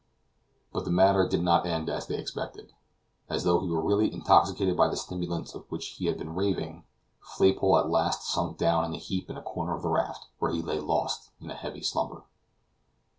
But the matter did not end as they expected. As though he were really intoxicated by the stimulants of which he had been raving, Flaypole at last sank down in a heap in a corner of the raft, where he lay lost in a heavy slumber.